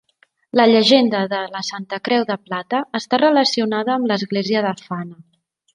La llegenda de "La Santa Creu de Plata" està relacionada amb l'església de Fana.